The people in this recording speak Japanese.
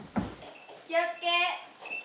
気を付け。